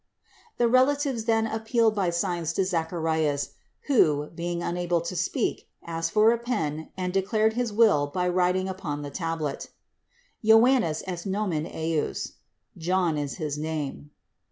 291. The relatives then appealed by signs to Zacha rias, who, being unable to speak, asked for a pen and declared his will by writing upon the tablet : "Johannes est nomen ejus." "John is his name."